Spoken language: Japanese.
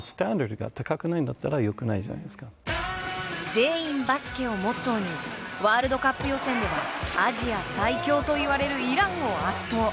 全員バスケをモットーにワールドカップ予選ではアジア最強といわれるイランを圧倒。